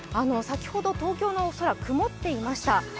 先ほど東京の空、曇っていました。